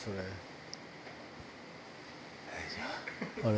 「あれ？